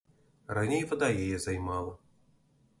Раней вада яе займала.